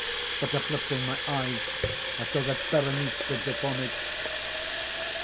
But, uplifting my eyes, I saw that Berenice stood before me.